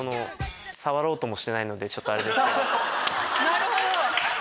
なるほど。